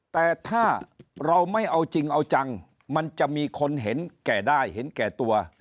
แต่ถ้าเราไม่เอาจริงเอาจังมันจะมีคนเห็นแก่ได้เห็นแก่ตัว